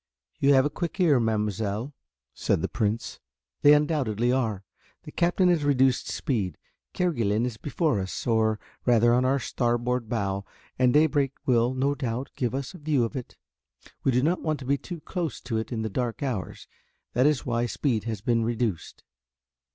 "You have a quick ear, mademoiselle," said the Prince, "they undoubtedly are. The Captain has reduced speed. Kerguelen is before us, or rather on our starboard bow, and daybreak will, no doubt, give us a view of it. We do not want to be too close to it in the dark hours, that is why speed has been reduced."